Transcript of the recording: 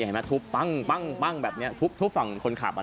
นี่เห็นมั้ยทุบป้ังป้ังป้ังแบบเนี้ยทุบทุบทุบฝั่งคนขับมา